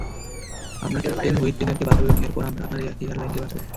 আমরা ক্যাপ্টেন হুইটেকারকে বাঁচাবো, এবং এরপর, আমরা আপনার এয়ারলাইনকে বাঁচাবো।